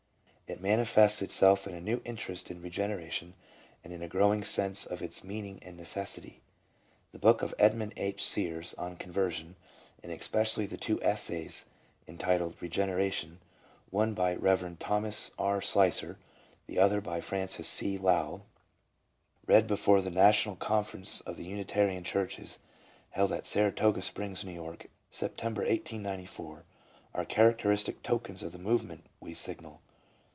It manifests itself in a new interest in Eegeneration and in a growing sense of its meaning and necessity. The book of Edmund H. Sears on "Conversion," and especially the two essays entitled "Ee generation," one by the Eev. Thomas E. Slicer, the other by Francis C. Lowell, read before the National Conference of the Unitarian churches, held at Saratoga Springs, N. Y., Sept., 1894, are characteristic tokens of the movement we signal.